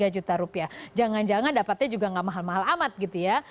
jangan jangan dapatnya juga tidak mahal mahal amat gitu ya